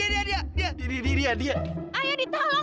anak kita masih kecil kecil abang